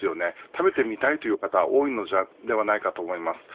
食べてみたいという方は多いのではないかと思います。